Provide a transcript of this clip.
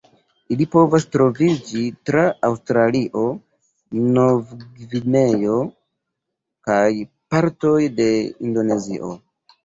Ili povas troviĝi tra Aŭstralio, Novgvineo, kaj partoj de Indonezio.